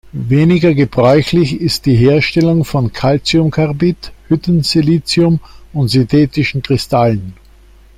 Weniger gebräuchlich ist die Herstellung von Calciumcarbid, Hütten-Silicium und synthetischen Kristallen.